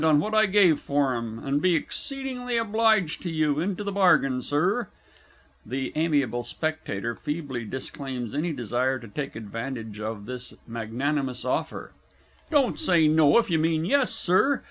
on what I gave for 'em, and be exceedingly obliged to you, into the bargain, Sir. (The A. S. feebly disclaims any desire to take advantage of this magnanimous offer.) Don't say No, if you mean Yes, Sir.